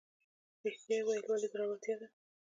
ریښتیا ویل ولې زړورتیا ده؟